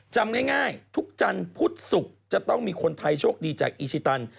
จำง่ายทุกจันทร์พุธศุกร์จะต้องมีคนไทยโชคดีจากอีชิตัน